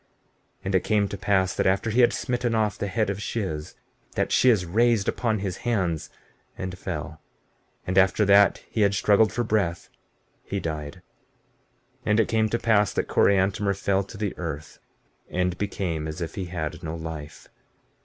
15:31 And it came to pass that after he had smitten off the head of Shiz, that Shiz raised upon his hands and fell; and after that he had struggled for breath, he died. 15:32 And it came to pass that Coriantumr fell to the earth, and became as if he had no life.